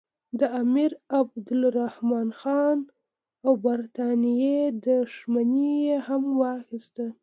د امیرعبدالرحمن خان او برټانیې دښمني یې هم واخیسته.